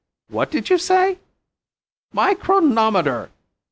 What did you say?" "My chronometer!"